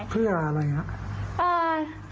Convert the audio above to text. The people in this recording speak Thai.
เพื่ออะไรนะ